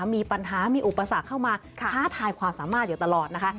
มีปัญหามีอุปสรรคเข้ามาท้าทายความสามารถอยู่ตลอดนะคะ